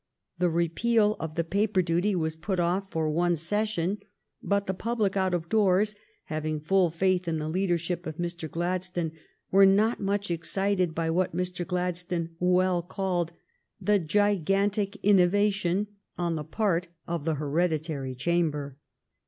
The repeal of the paper duty w^as put off for one session; but the public out of doors, having full faith in the leadership of Mr. Glad stone, were not much excited by what Mr. Glad stone well called the " gigantic innovation " on the part of the Hereditary Chamber.